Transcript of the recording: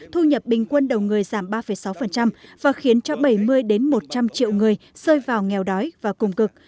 thu nhập bình quân đầu người giảm ba sáu và khiến cho bảy mươi một trăm linh triệu người rơi vào nghèo đói và cùng cực